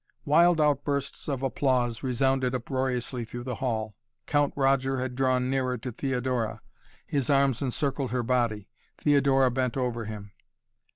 Wild outbursts of applause resounded uproariously through the hall. Count Roger had drawn nearer to Theodora. His arms encircled her body. Theodora bent over him.